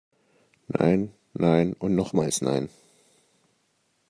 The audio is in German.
Nein, nein und nochmals nein!